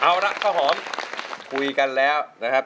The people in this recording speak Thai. เอาละข้าวหอมคุยกันแล้วนะครับ